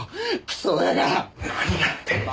何やってんだ！